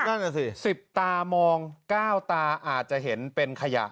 นั่นน่ะสิ๑๐ตามอง๙ตาอาจจะเห็นเป็นขยะ